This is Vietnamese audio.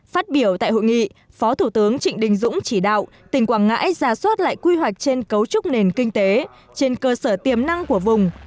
phát biểu tại hội nghị phó thủ tướng trịnh đình dũng chỉ đạo tỉnh quảng ngãi ra soát lại quy hoạch trên cấu trúc nền kinh tế trên cơ sở tiềm năng của vùng